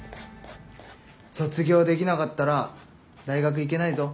卒業できなかったら大学行けないぞ。